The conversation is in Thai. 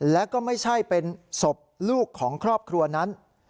และก็ไม่ใช่เป็นศพลูกของครอบครัวนั้น